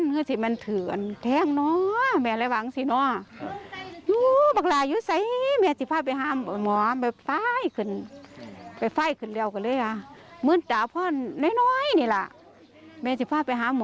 เหมือนตะพ่อนน้อยนี่แหละแม่จะพาไปหาหมอ